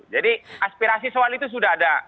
jadi aspirasi soal itu sudah ada